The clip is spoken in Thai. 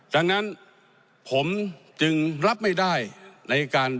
ดังนั้นผมจึงรับไม่ได้ในการ